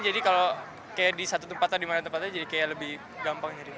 jadi kalau kayak di satu tempat atau dimana tempatnya jadi kayak lebih gampang nyari